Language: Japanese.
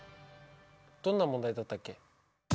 どんな問題だったっけ。